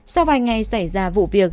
sau vài ngày xảy ra vụ việc